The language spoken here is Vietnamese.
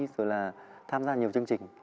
rồi là tham gia nhiều chương trình